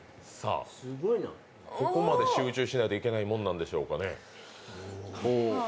ここまで集中しないといけないものなんでしょうかね。